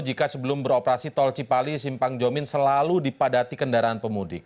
jika sebelum beroperasi tol cipali simpang jomin selalu dipadati kendaraan pemudik